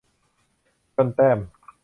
จนแต้ม